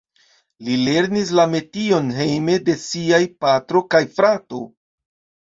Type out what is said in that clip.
Li lernis la metion hejme de siaj patro kaj frato.